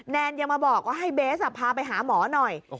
แนนยังมาบอกว่าให้เบสพาไปหาหมอหน่อย